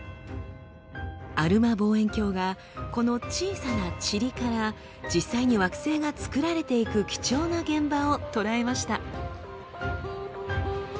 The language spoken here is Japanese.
アルマ望遠鏡がこの小さなチリから実際に惑星がつくられていく貴重な現場を捉えました。